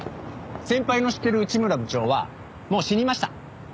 先輩の知ってる内村部長はもう死にました。